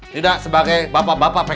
tidak sebagai bapak bapak pks